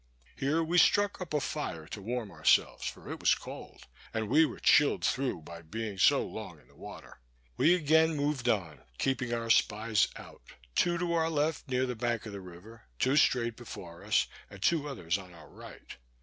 Here we struck up a fire to warm ourselves, for it was cold, and we were chilled through by being so long in the water. We again moved on, keeping our spies out; two to our left near the bank of the river, two straight before us, and two others on our right.